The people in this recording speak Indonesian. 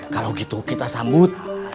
kalau gitu kita sambut